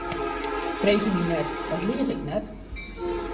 Freegje my net, dan liich ik net.